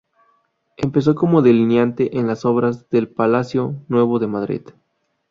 Empezó como delineante en las obras del palacio nuevo de Madrid.